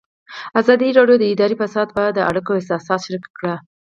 ازادي راډیو د اداري فساد په اړه د خلکو احساسات شریک کړي.